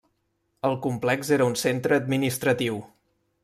El complex era un centre administratiu.